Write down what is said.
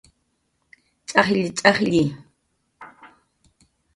Ch'ajlli, Ch'alli